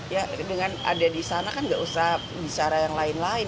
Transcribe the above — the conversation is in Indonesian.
ya dengan ada di sana kan nggak usah bicara yang lain lain